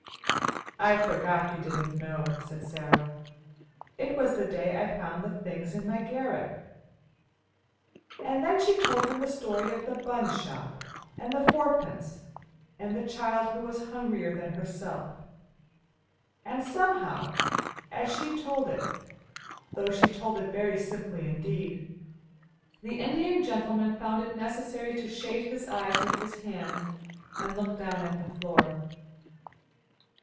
"I forgot you didn't know," said Sara. "It was the day I found the things in my garret." And then she told him the story of the bun shop, and the fourpence, and the child who was hungrier than herself; and somehow as she told it, though she told it very simply indeed, the Indian Gentleman found it necessary to shade his eyes with his hand and look down at the floor.